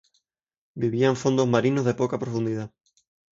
Vivía en fondos marinos de poca profundidad.